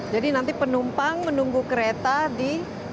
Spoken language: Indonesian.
jadi nanti penumpang menunggu kereta di